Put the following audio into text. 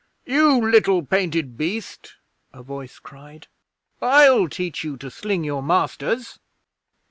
'You little painted beast!' a voice cried. 'I'll teach you to sling your masters!'